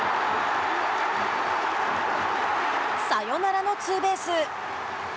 サヨナラのツーベース。